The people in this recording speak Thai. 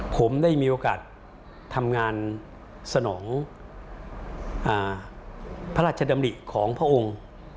ผมได้มีโอกาสทำงานสนองพระราชดำริของพระองค์